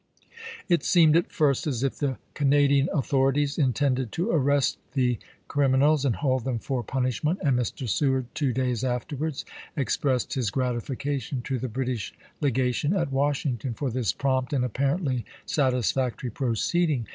It seemed at first as if the Canadian authorities intended to arrest the criminals and hold them for punishment, and Mr. Seward, two days afterwards, expressed his gratification to the British Legation at Washington for this prompt and apparently satis factory proceeding.